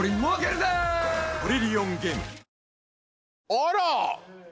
あら！